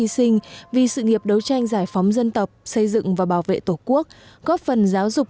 sinh vì sự nghiệp đấu tranh giải phóng dân tộc xây dựng và bảo vệ tổ quốc góp phần giáo dục